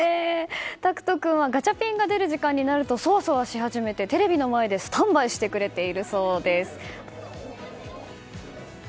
舵久斗君はガチャピンが出る時間になるとそわそわし始めて、テレビの前でスタンバイをしてくれているそうです。